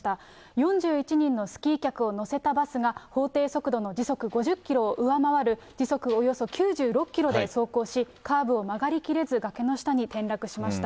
４１人のスキー客を乗せたバスが法定速度の時速５０キロを上回る、時速およそ９６キロで走行し、カーブを曲がりきれずに崖の下に転落しました。